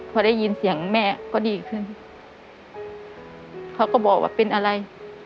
พอได้ยินเสียงแม่ก็ดีขึ้นเขาก็บอกว่าเป็นอะไร